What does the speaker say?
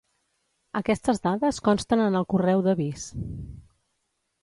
Aquestes dades consten en el correu d'avís.